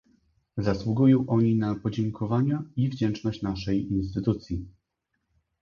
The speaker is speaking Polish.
Zasługują oni na podziękowania i wdzięczność naszej instytucji